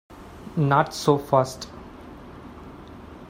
Not so fast.